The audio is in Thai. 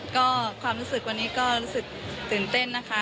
ก็ความรู้สึกวันนี้ก็รู้สึกตื่นเต้นนะคะ